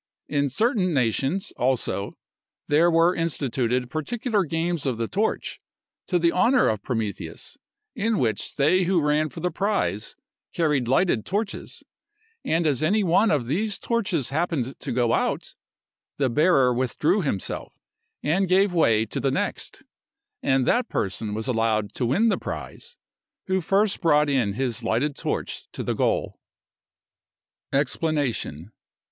In certain nations, also, there were instituted particular games of the torch, to the honor of Prometheus, in which they who ran for the prize carried lighted torches; and as any one of these torches happened to go out, the bearer withdrew himself, and gave way to the next; and that person was allowed to win the prize, who first brought in his lighted torch to the goal. EXPLANATION.